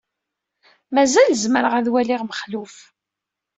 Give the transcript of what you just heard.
Mazal zemreɣ ad waliɣ Mexluf.